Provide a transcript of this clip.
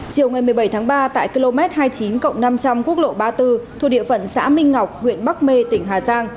chiều ngày một mươi bảy tháng ba tại km hai mươi chín năm trăm linh quốc lộ ba mươi bốn thuộc địa phận xã minh ngọc huyện bắc mê tỉnh hà giang